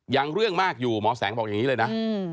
เรื่องมากอยู่หมอแสงบอกอย่างนี้เลยนะ